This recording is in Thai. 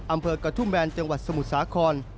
อำเภอกระทุ่มแบนจังหวัดสมุทรสาคร